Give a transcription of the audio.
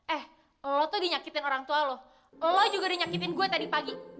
eh lo tuh dinyakitin orang tua lo lo juga dinyakitin gue tadi pagi